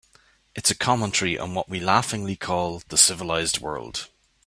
It's a commentary on what we laughingly call the civilized world.